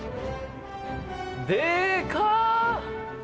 でか！